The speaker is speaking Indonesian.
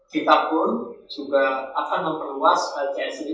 kita pun juga akan memperluas ics ini